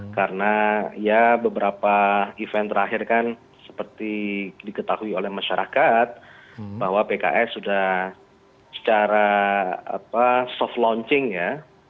karena ya beberapa event terakhir kan seperti diketahui oleh masyarakat bahwa pks sudah secara soft launching ya